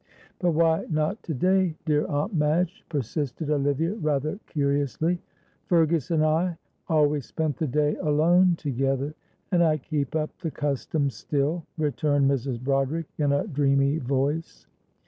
"But why not to day, dear Aunt Madge?" persisted Olivia, rather curiously. "Fergus and I always spent the day alone together, and I keep up the custom still," returned Mrs. Broderick, in a dreamy voice.